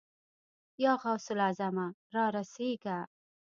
يا غوث الاعظمه! را رسېږه.